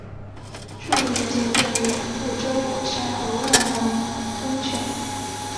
著名景点有覆舟火山和万隆温泉。